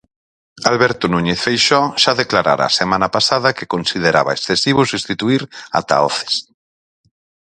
Alberto Núñez Feixóo xa declarara a semana pasada que consideraba excesivo substituír a Tahoces.